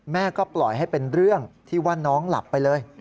แม่ก็ปล่อยให้เป็นเรื่องที่ว่าน้องหลับไปเลย